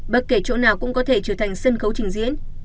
bất kể chỗ nào cũng có thể trở thành sân khấu trình diễn